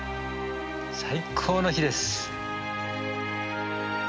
最高の日です！